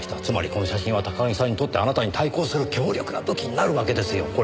つまりこの写真は高木さんにとってあなたに対抗する強力な武器になるわけですよ。